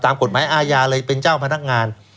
ตามกฎหมายอาญาเลยเป็นเจ้าพนักงาน